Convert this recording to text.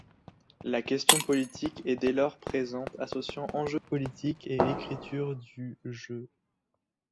La question politique est dès lors présente, associant enjeu politique et écriture du Je.